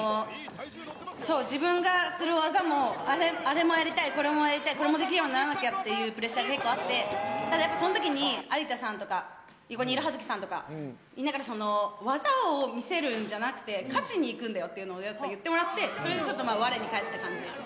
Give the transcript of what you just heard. そう、自分がする技も、あれもやりたい、これもやりたい、これもできるようにならなきゃっていうプレッシャーが結構あって、ただ、やっぱそのときに有田さんとか、横にいる葉月さんとか、みんなから、技を見せるんじゃなくて、勝ちにいくんだよっていうのを言ってもらって、それでちょっとわれに返った感じ。